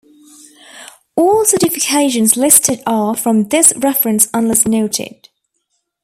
All certifications listed are from this reference unless noted.